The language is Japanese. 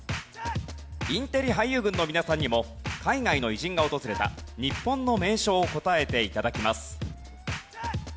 インテリ俳優軍の皆さんにも海外の偉人が訪れた日本の名所を答えて頂きます。